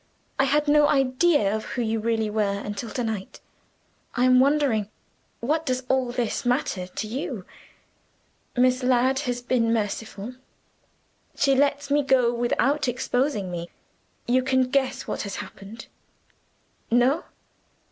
I had no idea of who you really were until to night. I'm wandering. What does all this matter to you? Miss Ladd has been merciful; she lets me go without exposing me. You can guess what has happened. No?